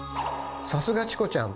さすがチコちゃん！